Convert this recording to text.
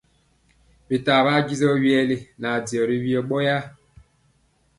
Bitaa ɓaa disɔ vyɛli nɛ ajɔ vyɔ ɓɔyaa.